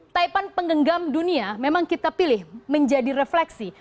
taipan penggenggam dunia memang kita pilih menjadi refleksi